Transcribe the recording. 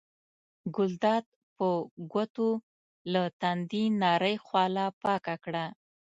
ګلداد په ګوتو له تندي نرۍ خوله پاکه کړه.